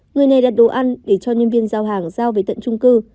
người này đặt đồ ăn để cho nhân viên giao hàng giao về tận trung cư